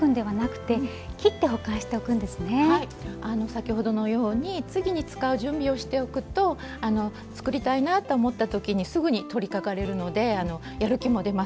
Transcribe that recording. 先ほどのように次に使う準備をしておくと作りたいなと思った時にすぐに取りかかれるのでやる気も出ますよね。